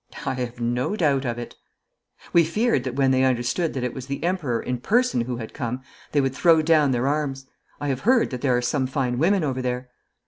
'I have no doubt of it.' 'We feared that when they understood that it was the Emperor in person who had come they would throw down their arms. I have heard that there are some fine women over there.'